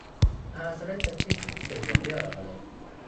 هغه سړی تر پېښي وروسته یو ځل بیا راغلی.